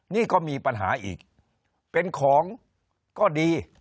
นี่ก็มีปัญหาอีกเป็นของก็ดี